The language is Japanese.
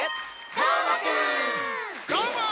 どーも！